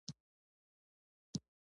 کورني سپي وویل چې دا د بادار کار دی نه زما.